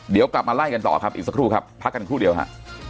เดี๋ยวกลับมาไล่กันต่อครับอีกสักครู่ครับพักกันครู่เดียวฮะ